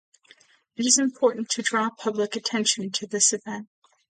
It is important to draw public attention to this event.